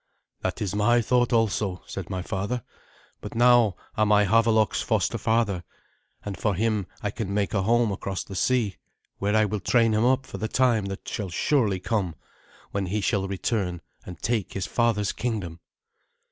"That is my thought also," said my father; "but now am I Havelok's foster father, and for him I can make a home across the sea, where I will train him up for the time that shall surely come, when he shall return and take his father's kingdom."